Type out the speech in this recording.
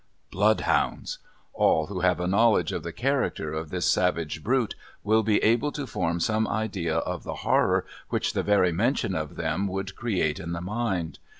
Blood hounds! All who have a knowledge of the character of this savage brute will be able to form some idea of the horror which the very mention of them would create in the mind.